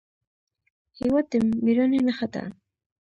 هېواد د مېړانې نښه ده.